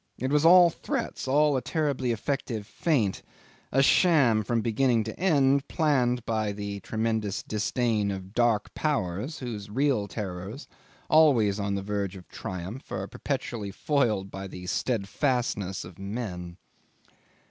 It was all threats, all a terribly effective feint, a sham from beginning to end, planned by the tremendous disdain of the Dark Powers whose real terrors, always on the verge of triumph, are perpetually foiled by the steadfastness of men.